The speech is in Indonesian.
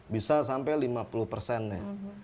bisa sampai lima puluh persen nih